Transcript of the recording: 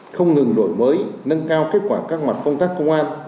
không ngừng đổi mới nâng cao kết quả các mặt công tác công an